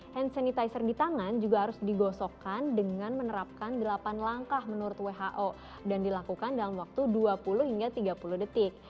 hand sanitizer di tangan juga harus digosokkan dengan menerapkan delapan langkah menurut who dan dilakukan dalam waktu dua puluh hingga tiga puluh detik